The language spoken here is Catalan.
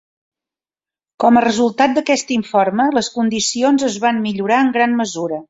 Com a resultat d'aquest informe, les condicions es van millorar en gran mesura.